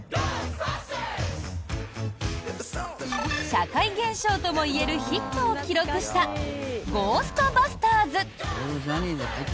社会現象ともいえるヒットを記録した「ゴーストバスターズ」。